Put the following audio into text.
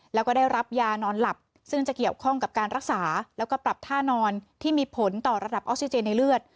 แล้วก็ได้รับยานอนหลับซึ่งจะเกี่ยวข้องกับการรักษาแล้วก็ปรับท่านอนที่มีผลต่อระดับออกซิเจนในเลือด